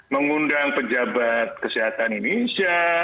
mengundang pejabat kesehatan indonesia